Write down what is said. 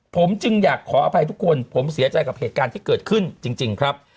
ผมจึงอยากขออภัยทุกคนผมเสียใจกับเหตุการณ์ที่เกิดขึ้นจริงครับ